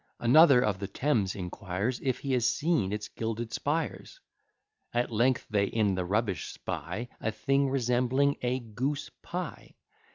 Another of the Thames inquires, If he has seen its gilded spires? At length they in the rubbish spy A thing resembling a goose pie.